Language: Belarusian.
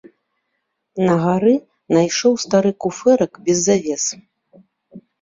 На гары найшоў стары куфэрак без завес.